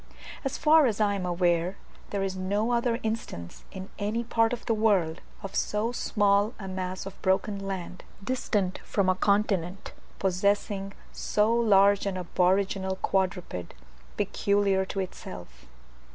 As far as I am aware, there is no other instance in any part of the world, of so small a mass of broken land, distant from a continent, possessing so large an aboriginal quadruped peculiar to itself.